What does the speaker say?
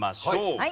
はい。